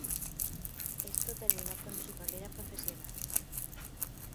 Esto terminó con su carrera profesional.